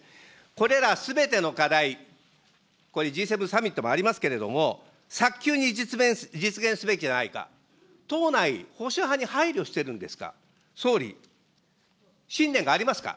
これらすべての課題、これ、Ｇ７サミットもありますけれども、早急に実現すべきではないか、党内、保守派に配慮しているんですか、総理、信念がありますか。